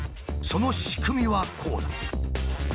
その仕組みはこうだ。